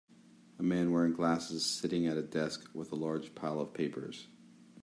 A man wearing glasses sitting at a desk with a large pile of papers.